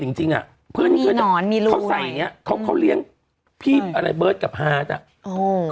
ส่วนจงใส่ต้อนไม้สับผัก